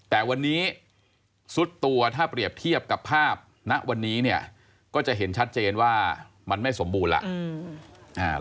แต่วันนี้ซุดตัวถ้าเปรียบเทียบกับภาพณวันนี้เนี่ยก็จะเห็นชัดเจนว่ามันไม่สมบูรณ์แล้ว